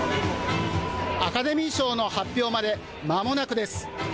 アカデミー賞の発表まで、まもなくです。